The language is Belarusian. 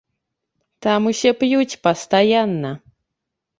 Там усе п'юць пастаянна.